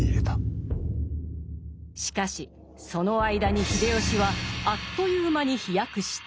しかしその間に秀吉はあっという間に飛躍した。